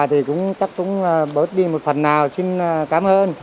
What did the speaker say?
thì cũng chắc cũng bớt đi một phần nào xin cảm ơn